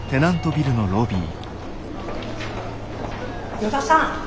依田さん。